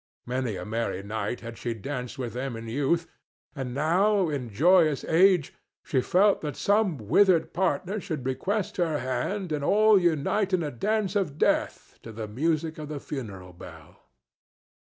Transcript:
Many a merry night had she danced with them in youth, and now in joyless age she felt that some withered partner should request her hand and all unite in a dance of death to the music of the funeral bell.